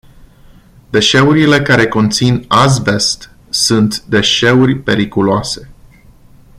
Deșeurile care conțin azbest sunt deșeuri periculoase.